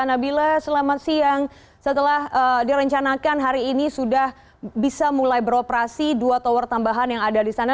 nabila selamat siang setelah direncanakan hari ini sudah bisa mulai beroperasi dua tower tambahan yang ada di sana